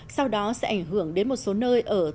sau đó sẽ ảnh hưởng đến một số nơi ở tây nguyên